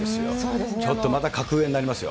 またちょっと格上になりますよ。